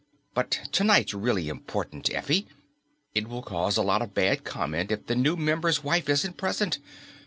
But tonight's really important, Effie. It will cause a lot of bad comment if the new member's wife isn't present.